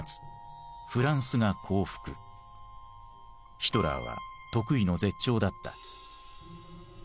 ヒトラーは得意の絶頂だった。